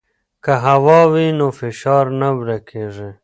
که هوا وي نو فشار نه ورکېږي.